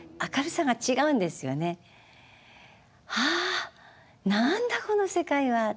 「ああ何だこの世界は。